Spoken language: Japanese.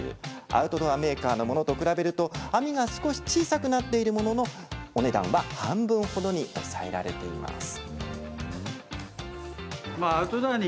アウトドアメーカーのものと比べると、網が少し小さくなっているものの値段は半分ほどに抑えられています。